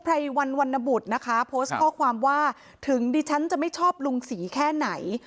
ไรวันวรรณบุตรนะคะโพสต์ข้อความว่าถึงดิฉันจะไม่ชอบลุงศรีแค่ไหน